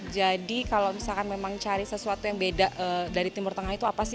jadi kalau misalkan memang cari sesuatu yang beda dari timur tengah itu apa sih